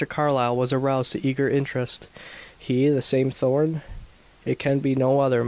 Carlyle was aroused to eager interest. "He! The same Thorn?" "It can be no other.